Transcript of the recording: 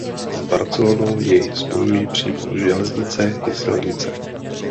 S Barcelonou jej spojují přímo železnice i silnice.